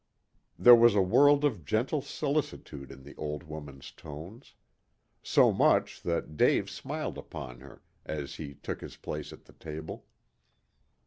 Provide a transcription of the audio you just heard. There was a world of gentle solicitude in the old woman's tones. So much that Dave smiled upon her as he took his place at the table.